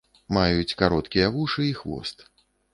Маюць кароткія вушы і хвост.